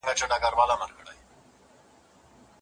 موټر د پل باغ عمومي په لور روان دی.